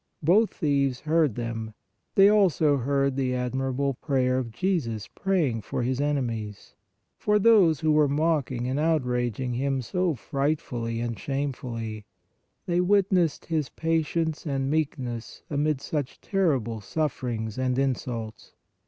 Both thieves heard them. They also heard the admirable prayer of Jesus praying for His enemies, for those who were mocking and outraging Him so frightfully and shamefully ; they witnessed His patience and meek ness amid such terrible sufferings and insults.